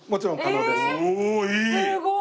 おおいい！